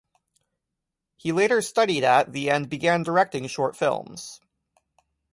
He later studied at the and began directing short films.